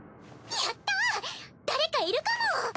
やったぁ誰かいるかも！